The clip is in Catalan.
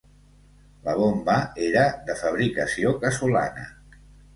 La bomba era de fabricació casolana.